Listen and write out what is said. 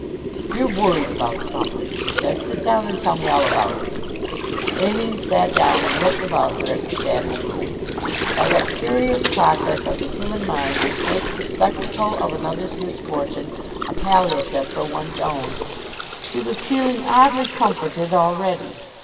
"You're worried about something," she said. "Sit down and tell me all about it." Aline sat down and looked about her at the shabby room. By that curious process of the human mind which makes the spectacle of another's misfortune a palliative for one's own, she was feeling oddly comforted already.